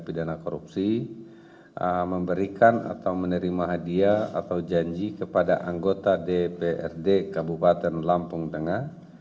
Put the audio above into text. pidana korupsi memberikan atau menerima hadiah atau janji kepada anggota dprd kabupaten lampung tengah